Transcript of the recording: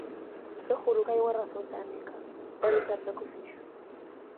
Seguro que hai unha razón técnica, pero o certo é que o fixo.